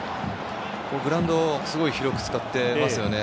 グラウンドすごく広く使っていますよね。